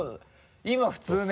今普通ね？